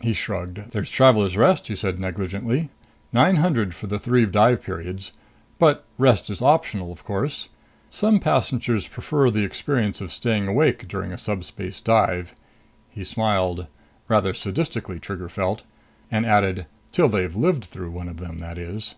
He shrugged. "There's Traveler's Rest," he said negligently. "Nine hundred for the three dive periods. But Rest is optional, of course. Some passengers prefer the experience of staying awake during a subspace dive." He smiled rather sadistically, Trigger felt and added, "Till they've lived through one of them, that is."